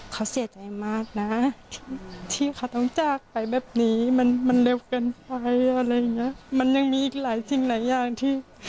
เขาเสียใจมากนะที่เขาต้องจากไปแบบนี้มันมันเร็วเกินไปอะไรอย่างเงี้ยมันยังมีอีกหลายสิ่งหลายอย่างที่